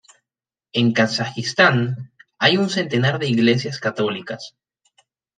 En Kazajistán hay un centenar de iglesias católicas.